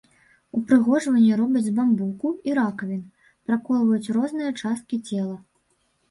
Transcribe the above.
Упрыгожванні робяць з бамбуку і ракавін, праколваюць розныя часткі цела.